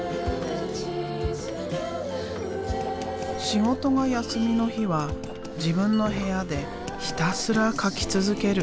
仕事が休みの日は自分の部屋でひたすら描き続ける。